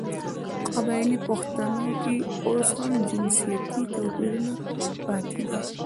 په قبايلي پښتانو کې اوس هم جنسيتي تواپيرونه پاتې دي .